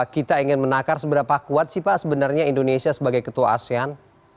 kita ingin menakar seberapa kuat sih pak sebenarnya indonesia sebagai ketua asean